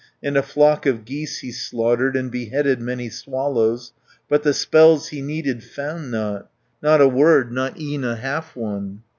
And a flock of geese he slaughtered, And beheaded many swallows, But the spells he needed found not. Not a word, not e'en a half one.